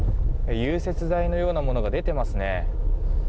融雪剤のようなものが出てますね。